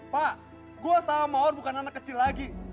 pak gue asal mawar bukan anak kecil lagi